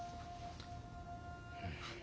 うん。